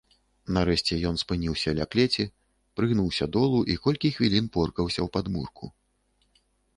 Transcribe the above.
Нарэшце ён спыніўся ля клеці, прыгнуўся долу і колькі хвілін поркаўся ў падмурку.